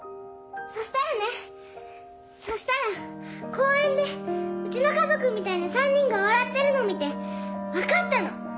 そしたらねそしたら公園でうちの家族みたいな３人が笑ってるの見て分かったの！